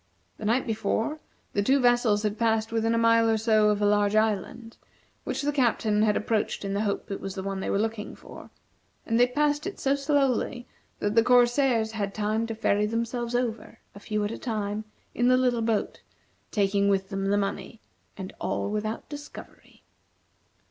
The night before, the two vessels had passed within a mile or so of a large island, which the Captain had approached in the hope it was the one they were looking for, and they passed it so slowly that the corsairs had time to ferry themselves over, a few at a time, in the little boat, taking with them the money, and all without discovery.